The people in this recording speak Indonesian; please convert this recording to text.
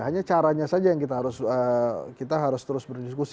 hanya caranya saja yang kita harus terus berdiskusi